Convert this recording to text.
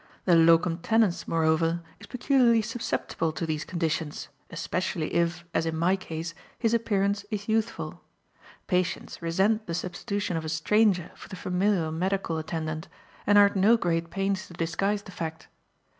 The locum tenens, moreover, is peculiarly susceptible to these conditions, especially if, as in my case, his appearance is youthful. Patients resent the substitution of a stranger for the familiar medical attendant and are at no great pains to disguise the fact.